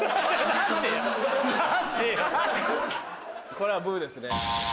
これはブですね。